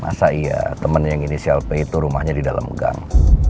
masa iya teman yang inisial p itu rumahnya di dalam gang